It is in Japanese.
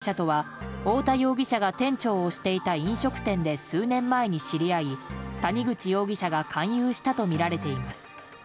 谷口容疑者とは太田容疑者が店長をしていた飲食店で数年前に知り合い谷口容疑者が勧誘したとみられています。